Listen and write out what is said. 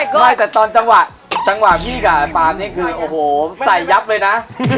ก็ต้องจังหวะจังหวะมีกูคือโอโห้ใสยับเลยนะ